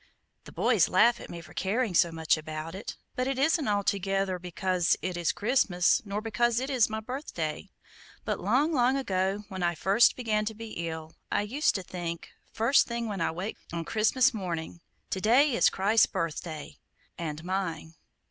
The boys laugh at me for caring so much about it; but it isn't altogether because it is Christmas nor because it is my birthday; but long, long ago, when I first began to be ill, I used to think, the first thing when I waked on Christmas morning, 'To day is Christ's birthday AND MINE!'